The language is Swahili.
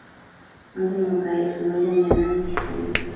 Tangu mwaka elfu moja mia nane tisini